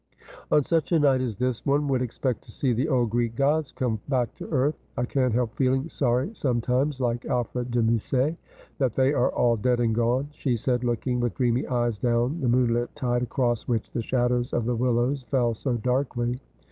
270 Asphodel. ' On such a night as this one would expect to see the old Greek gods come back to earth. I can't help feeling sorry some times, like Alfred de Musset, that they are all dead and gone,' she said, looking with dreamy eyes down the moonlit tide across which the shadows of the willows fell so darkly.